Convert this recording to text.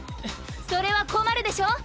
それは困るでしょ。